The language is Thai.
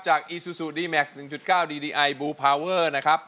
จากอีซูซูดีแมซ๑๙ดีดีไอบลูไปเบิร์รนะครับ